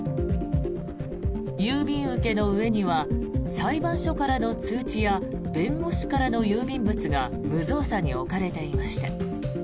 郵便受けの上には裁判所からの通知や弁護士からの郵便物が無造作に置かれていました。